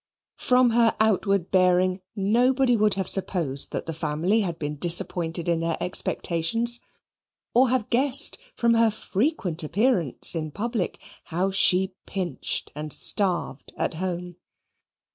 From her outward bearing nobody would have supposed that the family had been disappointed in their expectations, or have guessed from her frequent appearance in public how she pinched and starved at home.